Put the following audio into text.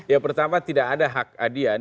yang pertama tidak ada hak adian